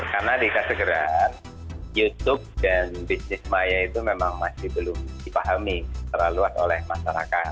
karena dikasegeraan youtube dan bisnis saya itu memang masih belum dipahami terlalu luas oleh masyarakat